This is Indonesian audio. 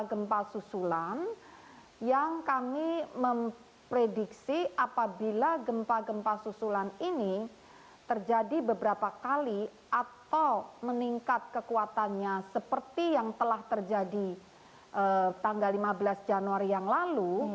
gempa susulan yang kami memprediksi apabila gempa gempa susulan ini terjadi beberapa kali atau meningkat kekuatannya seperti yang telah terjadi tanggal lima belas januari yang lalu